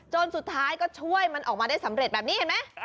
สุดท้ายก็ช่วยมันออกมาได้สำเร็จแบบนี้เห็นไหม